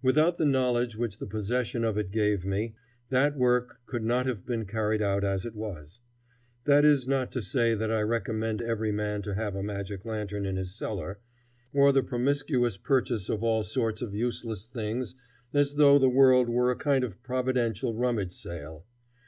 Without the knowledge which the possession of it gave me, that work could not have been carried out as it was. That is not to say that I recommend every man to have a magic lantern in his cellar, or the promiscuous purchase of all sorts of useless things as though the world were a kind of providential rummage sale.